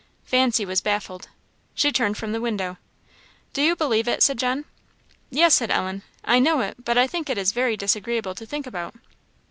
Fancy was baffled. She turned from the window. "Do you believe it?" said John. "Yes," said Ellen "I know it; but I think it is very disagreeable to think about it."